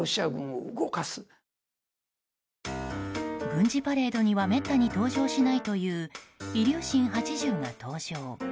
軍事パレードにはめったに登場しないというイリューシン８０が登場。